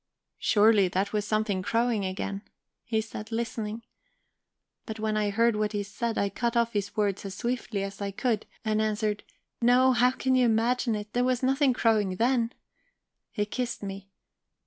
"'Surely that was something crowing again,' he said, listening. "But when I heard what he said, I cut off his words as swiftly as I could, and answered: "'No, how can you imagine it? There was nothing crowing then.' "He kissed me.